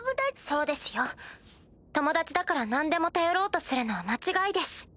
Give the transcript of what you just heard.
そうですよ友達だから何でも頼ろうとするのは間違いです。